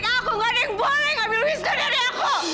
nggak ada yang boleh ngambil wisnu dari aku